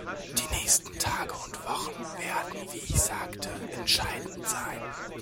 Die nächsten Tage und Wochen werden, wie ich sagte, entscheidend sein.